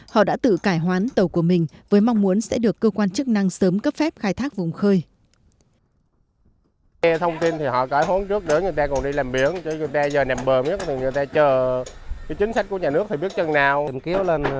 họ đã tự cải hoán tàu của mình với mong muốn sẽ được cơ quan chức năng sớm cấp phép khai thác vùng khơi